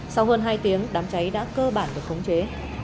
sau hơn hai tiếng đám cháy đã cơ bản được khống chế